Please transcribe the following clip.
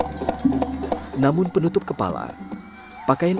kuntulan yang terinspirasi hadrah selalu berwarna putih berubah menjadi warna warni